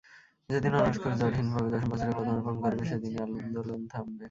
যেদিন honours course জটহীনভাবে দশম বছরে পদার্পণ করবে, সেদিনই আন্দোলন থামবে।